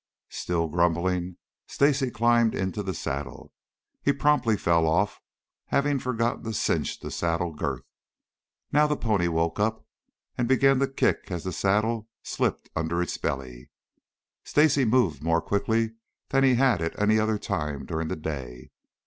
Still grumbling, Stacy climbed into the saddle. He promptly fell off, having forgotten to cinch the saddle girth. Now the pony woke up and began to kick as the saddle slipped under its belly. Stacy moved more quickly than he had at any other time during the day.